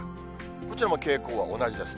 こちらも傾向同じですね。